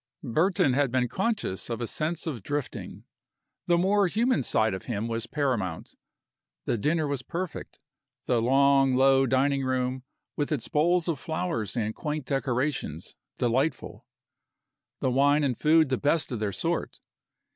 Burton had been conscious of a sense of drifting. The more human side of him was paramount. The dinner was perfect; the long, low dining room, with its bowls of flowers and quaint decorations, delightful; the wine and food the best of their sort.